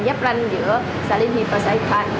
giáp ranh giữa xã liên hiệp và xã hiệp thạnh